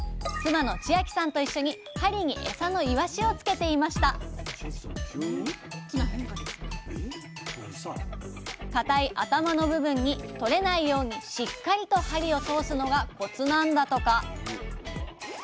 妻の千秋さんと一緒に針にエサのイワシをつけていましたかたい頭の部分に取れないようにしっかりと針を通すのがコツなんだとか。